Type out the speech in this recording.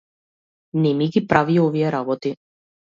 Не ми ги прави овие работи.